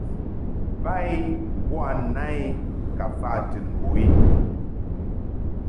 Ba i bo na i ka fa tɨn mbo i.